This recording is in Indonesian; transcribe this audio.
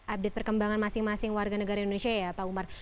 update perkembangan masing masing warga negara indonesia ya pak umar